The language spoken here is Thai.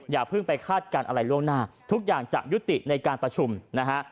อย่าเพิ่งไปคาดการณ์อะไรล่วงหน้าทุกอย่างจะยุติในการประชุมนะฮะ